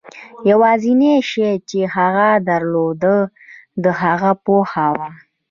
یوازېنی شی چې هغه درلود د هغه پوهه وه.